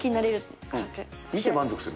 見て満足する？